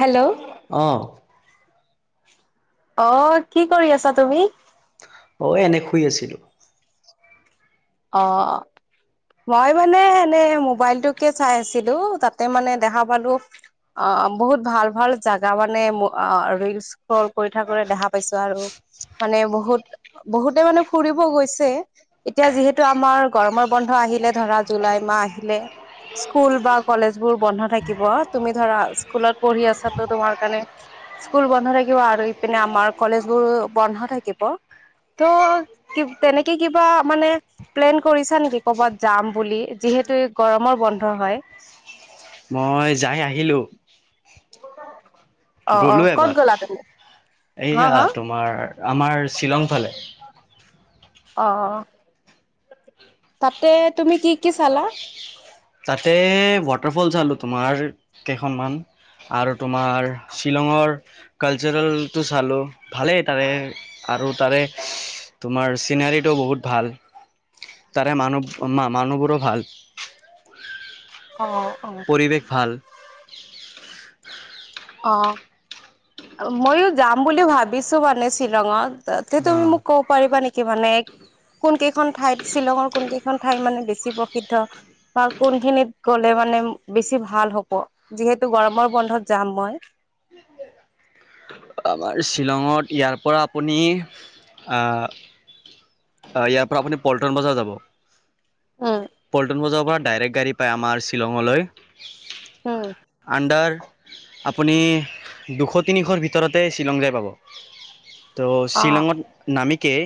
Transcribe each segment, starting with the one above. Hello. অ'। অ', কি কৰি আছা তুমি? অ', এনে শুই আছিলোঁ। অ'। মই মানে এনে মোবাইলটোকে চাই আছিলো, তাতে মানে দেখা পালো অ', বহুত ভাল, ভাল জাগা মানে অ' ৰিলচ চ্ৰকল কৰি থাকোতেই দেখা পাইছো আৰু। মানে বহুত, বহুতে মানে ফুৰিব গৈছে এতিয়া যিহে টো আমাৰ গৰমৰ বন্ধ আহিলে, ধৰা জুলাই মাহ আহিলে। স্কুল বা কলেজ বোৰ বন্ধ থাকিব, তুমি ধৰা স্কুলত পঢ়ি আছা ত তোমাৰ কাৰণে স্কুল বন্ধ থাকিব আৰু, ইপিনে আমাৰ কলেজ বোৰ বন্ধ থাকিব। ত', তেনেকে কিবা মানে প্লেন কৰিছা নেকি কৰ'বাত যাম বুলি, যিহেতু এই গৰমৰ বন্ধ হ'য়। মই যাই আহিলোঁ। অ অ গ'লো ক'ত এবাৰ, গ'লা তুমি? হা এইয়া হা তোমাৰ আমাৰ শ্বিলং ফালে। অ', তাতে তুমি কি কি চালা? তাতে ৱাটাৰফল চালো, তোমাৰ কেইখনমান। আৰু তোমাৰ শ্বিলঙৰ, কালচাৰেলটো চালোঁ, ভালেই তাৰে আৰু তাৰে, তোমাৰ চিনাৰীটো বহুত ভাল। তাৰে মানুহ, মানুহবোৰো ভাল। [inaudible] অ', অ'। পৰিৱেশ ভাল। অ', ময়ো যাম বুলি ভাবিছো মানে শ্বিলঙত। ত তুমি মোক ক'ব পাৰিবা নেকি মানে কোন কেইখন ঠাই, শ্বিলঙৰ কোন কেইখন ঠাই মানে বেছি প্ৰসিদ্ধ। বা কোনখিনিত গ'লে মানে বেছি ভাল হ'ব, যিহেতু গৰমৰ বন্ধত যাম মই। [inaudible] আমাৰ শ্বিলঙত ইয়াৰ পৰা আপুনি, আ ইয়াৰ পৰা আপুনি পল্টনবজাৰ যাব। উম পল্টনবজাৰৰ পৰা ডাইৰেক্ট গাড়ী পায় আমাৰ শ্বিলঙলৈ। উম আডাৰ আপুনি দুশ তিনিশ ভিত উৰতে শ্বিলং যাই পাব, ত' অ শ্বিলঙত নামিকে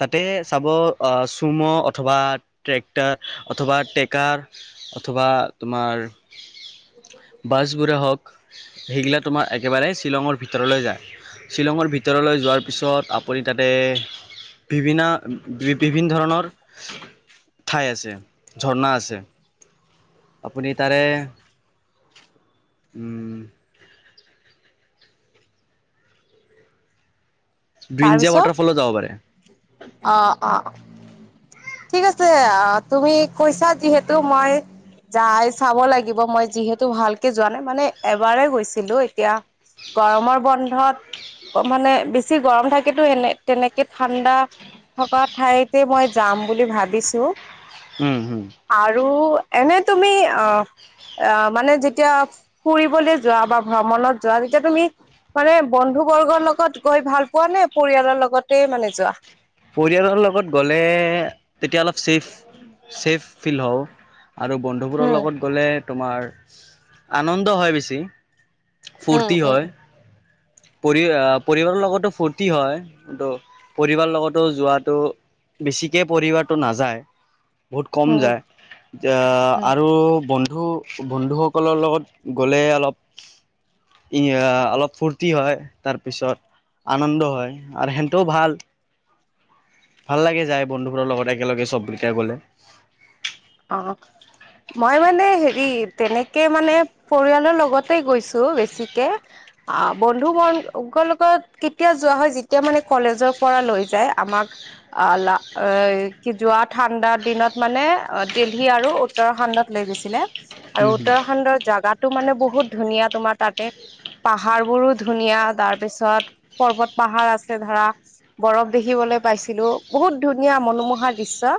তাতে চাব চুম অথবা ট্ৰেক্টাৰ, অথবা ট্ৰেকাৰ, অথবা তোমাৰ বাছ বোৰে হওঁক, সেইগিলা তোমাৰ একেবাৰেই শ্বিলঙৰ ভিতৰলৈ যায়, শ্বিলঙৰ ভিতৰলৈ যোৱাৰ পিছত আপুনি তাতে বিভিন্না বি বিভিন্ন ধৰণৰ ঠাই আছে, ঝৰ্ণা আছে। আপুনি তাৰে উম। ব্ৰিঞ্জা তাৰপিছত, ৱাটাৰফলো যাব পাৰে। অ' অ'। ঠিক আছে, আহ, তুমি কৈছা যিহেতু মই যাই চাব লাগিব, মই যিহেতু ভালকে যোৱা নাই মানে এবাৰে গৈছিলো এতিয়া গৰমৰ বন্ধত, মানে বেছি বেছি গৰম থাকেতো, এনে- তেনেকে ঠাণ্ডা। থকা ঠাইতে, মই যাম বুলি ভাবিছো। হম, হম। আৰু, এনে তুমি অ, আহ, মানে যেতিয়া ফুৰিবলৈ যোৱা, বা ভ্ৰমণত যোৱা তেতিয়া তুমি মানে বন্ধু বৰ্গৰ লগত গৈ ভাল পোৱা নে, পৰিয়ালৰ লগতে মানে যোৱা। পৰিয়ালৰ লগত গ'লে, তেতিয়া অলপ চছেফ, চছেফ ফিল হওঁ। আৰু বন্ধুবোৰৰ উম লগত গ'লে তোমাৰ, আনন্দ হয় বেছি। উম ফূৰ্তি উম হয়। পৰি আহ, পৰিবাৰৰ লগতো ফূুৰ্তি হয়, কিন্তু পৰিবাৰৰ লগতো যোৱাতটো বেছিকে পৰিবাৰটো নাযায়, বহুত কম উম যায় উম আৰু বন্ধু বন্ধুসকলৰ লগত গ'লে, অলপ-অলপ ফো ফূৰ্তি হয়, তাৰপিছত আনন্দ হয়, আৰু সেহঁতেও ভাল। ভাল লাগে যায়, বন্ধুবোৰৰ লগত একেলগে চব কেইটা গ'লে। অ, মই মানে হেৰি, তেনেকে মানে পৰিয়ালৰ লগতে গৈছো বেছিকে। আহ, বন্ধু বৰ্গৰ লগত কেতিয়া যোৱা হয়, যেতিয়া মানে কলেজৰ পৰা লৈ যায় আমাক অ, লা, এ, কি যোৱা ঠাণ্ডাৰ দিনত মানে। দিল্লী আৰু উত্তৰাখণ্ডত লৈ গৈছিলে, আৰু উম উত্তৰাখণ্ডৰ জোগাত টো, মানে বহুত ধুনীয়া তোমাৰ তাতে পাহাৰ বোৰো ধুনীয়া তাৰপিছত, পৰ্বত-পাহাৰ আছে ধৰা। বৰফ দেখিবলৈ পাইছিলো, বহুত ধুনীয়া মনোমোহাৰ দৃশ্য,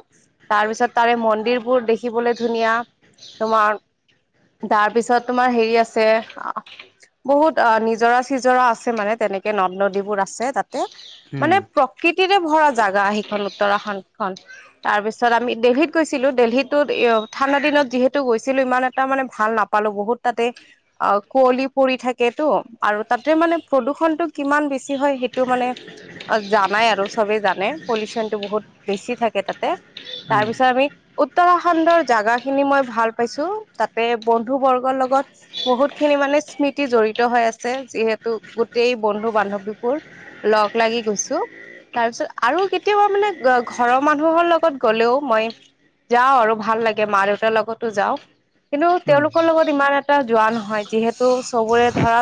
তাৰ পিছত তাৰে মন মন্দিৰবোৰ দেখিবলৈ ধুনীয়া, তোমাৰ তাৰ পিছত, তোমাৰ হেৰি আছে, আহ বহুত অ, নিজৰা-চিজৰা আছে, মানে তেনেকে নদ- নদীবোৰ আছে তাতে। মানে হুম প্ৰকৃতিৰে ভৰা জাগা, সিখন উত্তৰাখণ্ড খন, তাৰ পিছত আমি দেল্লীত গৈছো। ছিলো, দেল্লী তোত, এ, ঠাণ্ডা দিনত যিহেতু গৈছিলো, ইমান এটা মানে ভাল নাপালো বহুত তাতে। অ, কুঁৱলী পৰি থাকেতটো, আৰু তাতে মানে প্ৰদূষণটো কিমান বেছি হয়, সেইটো মানে অ, জানাই আৰু চবেই জানে, পলিউচন টো বহুত বেছি থাকে তাতে। উম। তাৰ উম পিছত আমি উত্তৰাখণ্ডৰ জাগা খিনি মই ভাল পাইছো, তাতে বন্ধু বৰ্গৰ লগত। বহুত খিনি মানে স্মৃতি জড়িত হৈ আছে, যিহেতু গোটেই বন্ধু বান্ধৱীবোৰ। লগ, লাগি গৈছো। তাৰ পিছত আৰু কেতিয়াবা মানে ঘৰৰ মানুহৰ লগত গ'লেও মই। যাওঁ আৰু ভাল লাগে, মা-দেউতাৰ লগতো যাওঁ। কিন্তু উম তেওঁলোকৰ লগত ইমান এটা যোৱা নহয়, যিহেতু চবোৰে ধৰা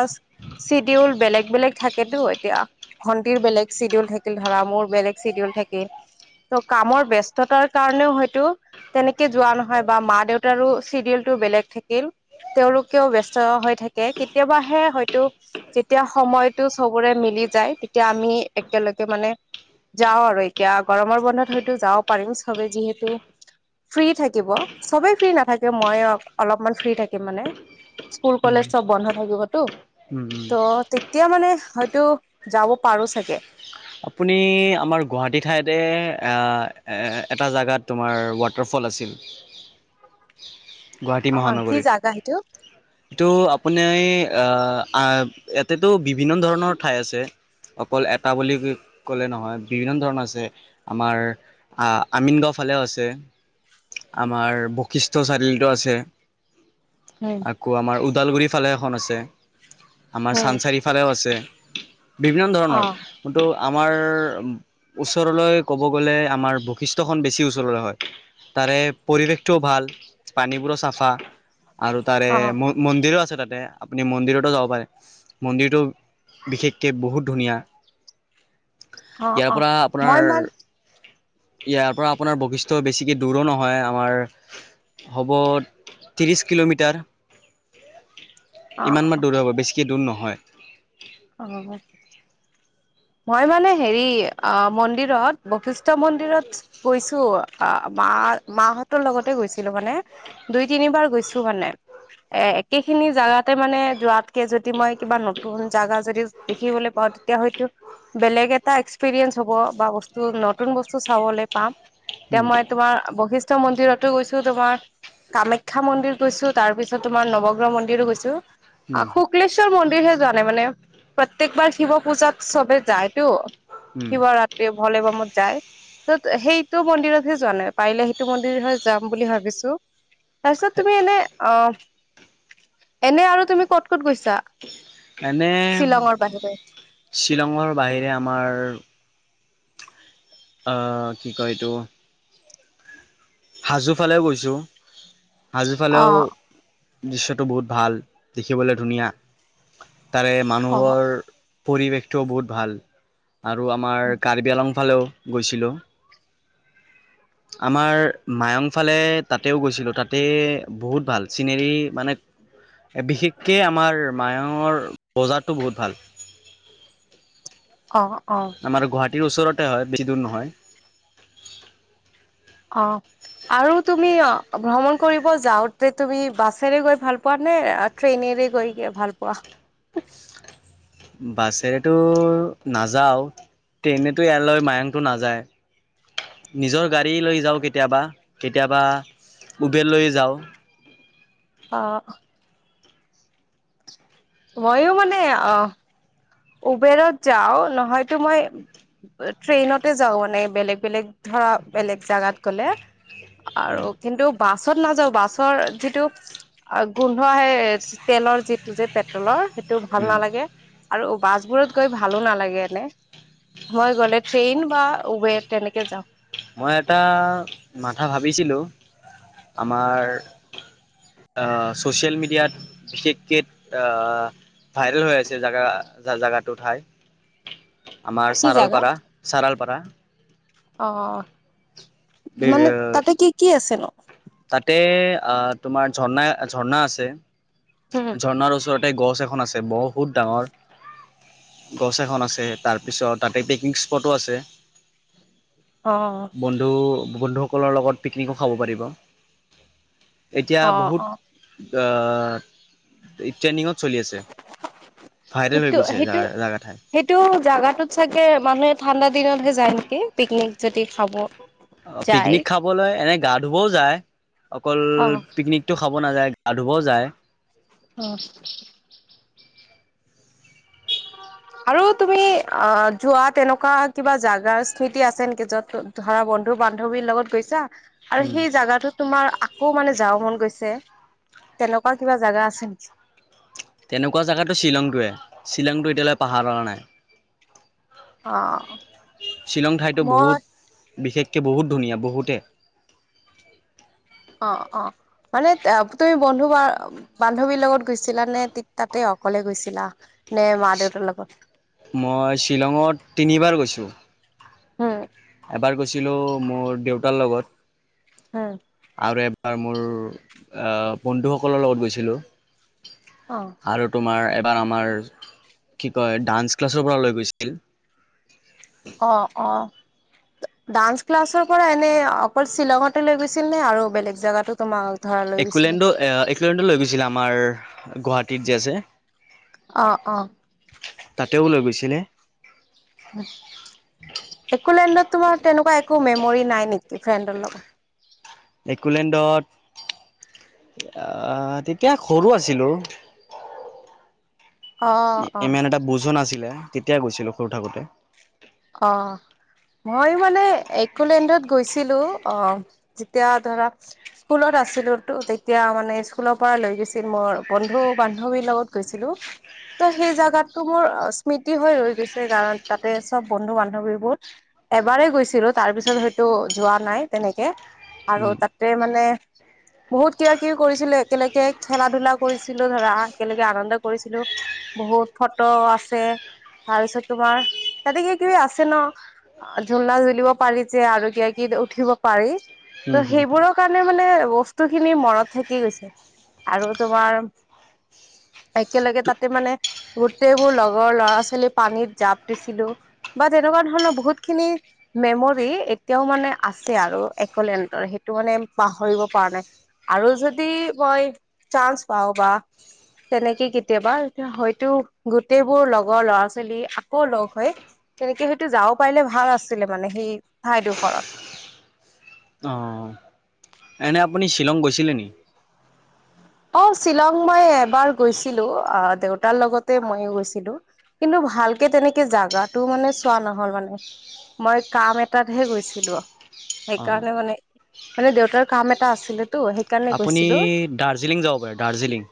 চিডিউল বেলেগ, বেলেগ থাকেতো এতিয়া। ভণ্টিৰ বেলেগ চিডিউল থাকিল ধৰা, মোৰ বেলেগ চিডিউল থাকিল। ত, কামৰ ব্যস্ততাৰ কাৰণেও হয়তো। তেনেকে যোৱা নহয় বা মা-দেউতাৰো চিডিউল বেলেগ থাকিল। তেওঁলোকেও ব্যস্ত হৈ থাকে, কেতিয়াবাহে হয়তো যেতিয়া সময়তটো চবোৰে মিলি যায়, তেতিয়া আমি একেলগে মানে যাওঁ আৰু এতিয়া, গৰমৰ বন্ধত হয়তো যাব পাৰিম, চবেই যিহেতু ফ্ৰী থাকিব, চবেই ফ্ৰী নাথাকে মই অলপমান ফ্ৰী থাকিম মানে। স্কুল কলেজ চব বন্ধ থাকিবতো। উম উম। ত তেতিয়া মানে হয়তো, যাব পাৰো চাগে। আপুনি আমাৰ গুৱাহাটী ঠাইতে এটা জেগাত তোমাৰ ৱা তাৰফল আছিল। গুৱাহাটী অ কি মহানগৰীত। জাগা সেইটো ত আপোনি আ, ইয়াতেতো বিভিন্ন ধৰণৰ ঠাই আছে। অকল এটা বুলি ক'লে নহয়, বিভিন্ন ধৰণৰ আছে, আমাৰ আ আমিন গাঁও ফালেও আছে, আমাৰ বশিষ্ঠ চাৰিআলি। আছে হুম আকৌ আমাৰ ওদালগুৰি ফালে এখন আছে, আমাৰ উম চানচাৰিফালেও আছে। বিভিন্ন অ ধৰণৰ, যোনটো আমাৰ ওচৰলৈ ক'ব গ'লে, আমাৰ বৈশিষ্টখন বেছি ওচৰলৈ হয়। তাৰে পৰিৱেশটোও ভাল, পানীবোৰো চাফা আৰু তাৰে অ ম মন্দিৰো আছে তাতে, আপুনি মন্দিৰতো যাব পাৰে। মন্দিৰটো বিশেষকে বহুত ধুনীয়া। অ ইয়াৰ অ পৰা মই মান আপোনাৰ ইয়াৰ পৰা আপোনাৰ বৈশিষ্ট বেছিকে দূৰো নহয় আমাৰ হ'ব, ত্ৰিছ কিলোমিটাৰ। অ ইমান মান দূৰ হ'ব, বেছিকে দূৰ নহয়। অ। মই মানে হেৰি, অ' মন্দিৰত, বশিষ্ট মন্দিৰত গৈছো আ মাৰ মাহঁতৰ লগতে গৈছিলো মানে। দুই তিনিবাৰ গৈছো মানে, এ একেখিনি জাগাতে মানে যোৱাত কে যদি মই কিবা নতুন জাগা যদি দেখিবলৈ পাওঁ, তেতিয়া হয়তো বেলেগ এটা এক্সপিৰিয়েঞ্চ হ'ব, বা বস্তু নতুন বস্তু চাবলৈ পাম, তেতিয়া উম মই তোমাৰ বৈশিষ্ট মন্দিৰতো গৈছো, তোমাৰ কামাখ্যা মন্দিৰ গৈছো, তাৰ পিছত তোমাৰ নৱগ্ৰহ মন্দিৰো গৈছো। আ' উম শুক্লেশ্বৰ মন্দিৰ হে যোৱা নাই মানে, প্ৰত্যেকবাৰ শিৱ পূজাত চবে যায়তো, উম শিব ৰাত্ৰি, ভলে বমত যায়। ত সেইটো মন্দিৰতহে যোৱা নাই, পাৰিলে সেইটো মন্দিৰ হয় যাম বুলি ভাবিছো। তাৰপিছত তুমি এনে, অ', এনে আৰু তুমি ক'ত ক'ত গৈছা? এনে, শ্বিলঙৰ বাহিৰে শ্বিলঙৰ বাহিৰে আমাৰ অ', কি কয় এইটো? হাজোফালেও গৈছোঁ, অ হাজোফালেও দৃশ্যটো বহুত ভাল, দেখিবলৈ ধুনীয়া, তাৰে অ মানুহৰ। পৰিৱেশটোও বহুত ভাল, আৰু আমাৰ কাৰ্বি আলং ফালেও গৈছিলোঁ। আমাৰ মায়ংফালে তাতেও গৈছিলোঁ, তাতে বহুত ভাল, চিনেৰী মানে বিশেষকে আমাৰ মায়ঙৰ বজাৰটো বহুত ভাল। অহ, অহ। মানে গুৱাহাটীৰ ওচৰতে হয়, বেছি দূৰ নহয়। অঁ। আৰু তুমি অ ভ্ৰমণ কৰিব যাওঁতে তুমি বাছেৰে গৈ ভাল পোৱা নে আ ট্ৰেইনেৰে গৈ কে ভাল পোৱা বাছেৰেতো নাযাও ট্ৰেইনেতো ইয়ালৈ মায়ংটো নাযায় নিজৰ গাড়ী লৈ যাওঁ কেতিয়াবা কেতিয়াবা উবেৰ লৈ যাওঁ। অ মইও মানে অহ উবেৰত যাও নহয়তো মই বা ট্ৰেইনতে যাও মানে বেলেগ বেলেগ ধৰা বেলেগ জাগাত গ'লে আৰু কিন্তু বাছত নাযাওঁ বাছৰ যিটো আউ গোন্ধো আহে তেলৰ যিটো যে পেট্ৰলৰ সেইটো ভাল নালাগে আৰু বাছবোৰত গৈ ভালো নালাগে এনে মই গ'লে ট্ৰেইন বা উবেৰ তেনেকে যাওঁ মই এটা মাথা ভাবিছিলোঁ আমাৰ আ ছ'চিয়েল মিডিয়াত বিশেষকেত আ ভাইৰেল হৈ আছে জাগা জাগাটো ঠাই আমাৰ কি জাগা? চাৰলপাৰা-চাৰালপাৰা। অ' মানে তাতে কি কি আছে নো? তাতে আহ, তোমাৰ ঝৰ্ণা-ঝৰ্ণা আছে, উম, ঝৰ্ণাৰ ওচৰত তে গছ এখন আছে, বহুত ডাঙৰ গছ এখন আছে, তাৰপিছত তাতে পিকনিক স্পটো আছে। অ বন্ধু বন্ধুসকলৰ লগত পিকনিকো খাব পাৰিব এতিয়া অ', বহুত অ', অ ট্ৰেইনিঙত চলি আছে ভাইৰেল হৈ সেইটো গৈছে জা সেইটো জাগা ঠাই সেইটো জাগাটোত চাগে মানুহে ঠাণ্ডা দিনতহে যায় নেকি পিকনিক যদি খাব অ যায়। পিকনিক খাবলৈ এনে গা ধুবও যায় অকল অ', পিকনিক টো খাব নাযায় গা ধুবও যায় অহ আৰু তুমি অ যোৱা তেনেকুৱা কিবা জাগাৰ স্মৃতি আছে নেকি য'ত ধৰা বন্ধু বান্ধৱীৰ লগত গৈছা আৰু উম সেই জোগাটোত তোমাৰ আকৌ মানে যাব মন গৈছে তেনেকুৱা কিবা জাগা আছে নেকি তেনেকুৱা জেগাটো শ্বিলঙটোৱে শ্বিলংটো এতিয়ালৈ পাহাৰা নাই অ শ্বিলং ঠাইতো মই বহুত বিশেষকে বহুত ধুনীয়া বহুতে অ অ মানেত আ তুমি বন্ধু বা বান্ধৱীৰ লগত গৈছিলা নে টি তাতেই অকলে গৈছিলা নে মা দেউতাৰ লগত? মই শ্বিলঙত তিনিবাৰ গৈছোঁ হু এবাৰ গৈছিলো মোৰ দেউতাৰ লগত হয় আৰু এবাৰ মোৰ আ বন্ধুসকলৰ লগত গৈছিলোঁ অ', আৰু তোমাৰ এবাৰ আমাৰ কি কয় ডান্স ক্লাছৰ পৰা লৈ গৈছিল অ অ ডান্স ক্লাছৰ পৰা এনে অকল শ্বিলঙতে লৈ গৈছিল নে আৰু বেলেগ জেগাতো তোমাৰ একলেণ্ডো এ একলেণ্ডো লৈ গৈছিল আমাৰ গুৱাহাটীত যে আছে অঁ অঁ। তাতেও লৈ গৈছিলে। একো লেণ্ডত তোমাৰ তেনেকুৱা একো মেমৰি নাই নেকি ফ্ৰেণ্ডৰ লগত। একোলেণ্ডত আ তেতিয়া সৰু আছিলোঁ। অ', অ', ইমান এটা বুজোৱা নাছিলে তেতিয়া গৈছিলো সৰু থাকোতে। অঁ' মই মানে একোলেণ্ডত গৈছিলো অঁ যেতিয়া ধৰক- স্কুলত আছিলোতো, তেতিয়া মানে স্কুলৰ পৰা লৈ গৈছিল মোৰ বন্ধু বান্ধৱীৰ লগত গৈছিলো। ত' সেই জাগাটো মোৰ স্মৃতি হৈ ৰৈ গৈছে কাৰণ তাতে- চব বন্ধু বান্ধৱীবোৰ এবাৰেই গৈছিলো তাৰ পিছত হয়তো যোৱা নাই তেনেকে। আৰু উম তাতে মানে- বহুত কিবা কিবি কৰিছিলো একেলগে খেলা ধূলা কৰিছিলো ধৰা একেলগে আনন্দ কৰিছিলো। বহুত ফটো আছে তাৰপিছত তোমাৰ তাতে কিবা কিবি আছে ন। ঝুলনা ঝুলিব পাৰি যে আৰু কিবা কিবি উঠিব পাৰি। ত' হম হম সেইবোৰৰ কাৰণে মানে বস্তু খিনি মনত থাকি গৈছে। আৰু তোমাৰ- একেলগে তাতে মানে গোটেইবোৰ লগৰ ল'ৰা ছোৱালী পানীত জাপ- দিছিলো বা তেনেকুৱা ধৰণৰ বহুত খিনি- মেমৰি এতিয়াও মানে আছে আৰু এক'লেন্ডৰ সেইটো মানে পাহৰিব পৰা নাই। আৰু যদি মই চান্স পাওঁ বা- তেনেকে কেতিয়াবা হয়তো গোটেইবোৰ লগৰ ল'ৰা ছোৱালী- কৌ লগ হৈ তেনেকে সেইটো যাব পাৰিলে ভাল আছিলে মানে সেই ঠাইডোখৰত। অঁ' এনেই আপুনি শ্বিলং গৈছিলে নি? অঁ' শ্বিলং মই এবাৰ গৈছিলো দেউতাৰ লগতে মইও গৈছিলো। কিন্তু, ভালকে তেনেকে জাগাটো মানে চোৱা নহল মানে। মই কাম এটাতহে গৈছিলো। অ সেইকাৰণে মানে মানে দেউতাৰ কাম এটা আছিলেতো সেই- আপুনি দাৰ্জিলিং যাব পাৰে দাৰ্জিলিং।